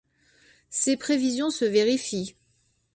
Ses prévisions se vérifient.